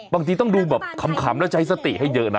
บางทีต้องดูแบบขำแล้วใช้สติให้เยอะนะ